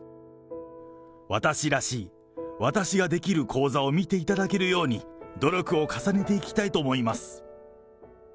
私らしい、私ができる高座を見ていただけるように努力を重ねていきたいと思います。